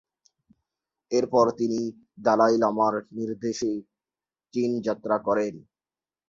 এরপর তিনি দলাই লামার নির্দেশে চীন যাত্রা করেন।